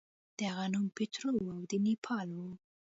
د هغه نوم پیټرو و او د نیپل و.